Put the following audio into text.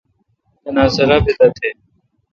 تناسہ رابط تھیں ۔